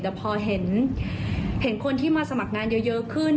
แต่พอเห็นคนที่มาสมัครงานเยอะขึ้น